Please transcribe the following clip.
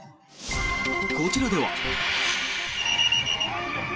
こちらでは。